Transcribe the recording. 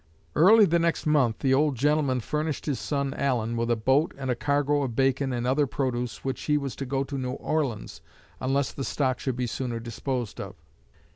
"Early the next month the old gentleman furnished his son Allen with a boat and a cargo of bacon and other produce with which he was to go to New Orleans unless the stock should be sooner disposed of.